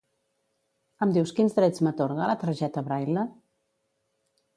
Em dius quins drets m'atorga la targeta Braile?